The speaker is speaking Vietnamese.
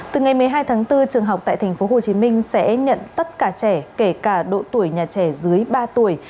từ ngày một mươi hai tháng bốn trường học tại tp hcm sẽ nhận tất cả trẻ kể cả độ tuổi nhà trẻ dưới ba tuổi